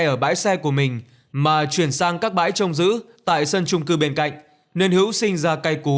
ở bãi xe của mình mà chuyển sang các bãi trông giữ tại sân trung cư bên cạnh nên hữu sinh ra cây cố